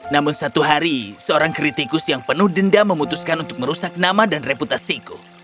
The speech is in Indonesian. namun satu hari seorang kritikus yang penuh denda memutuskan untuk merusak nama dan reputasiku